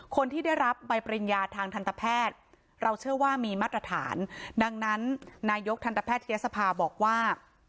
คนที่ได้รับใบปริญญาทางทันตแพทย์เราเชื่อว่ามีมาตรฐานดังนั้นนายกทันตแพทยศภาบอกว่า